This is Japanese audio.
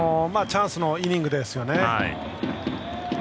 チャンスのイニングですよね。